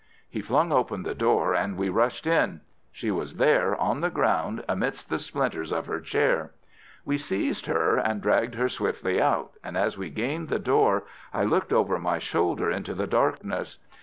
He flung open the door and we rushed in. She was there on the ground amidst the splinters of her chair. We seized her and dragged her swiftly out, and as we gained the door I looked over my shoulder into the darkness.